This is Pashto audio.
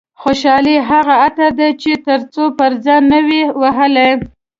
خوشحالي هغه عطر دي چې تر څو پر ځان نه وي وهلي.